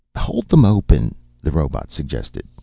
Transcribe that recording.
"Hold them open," the robot suggested.